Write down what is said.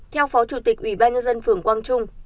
theo phó chủ tịch ubnd phường quang trung